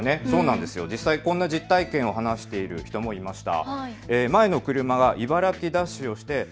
実際にこんな実体験を話している人もいました。